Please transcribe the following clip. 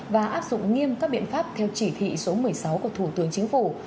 và áp dụng nghiêm các biện pháp theo chỉ thị số một mươi sáu của thủ tướng chính phủ